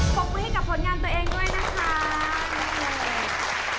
ปรบมือให้กับผลงานตัวเองด้วยนะคะ